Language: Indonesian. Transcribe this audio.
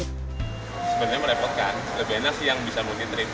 sebenarnya merepotkan lebih enak sih yang bisa multi trip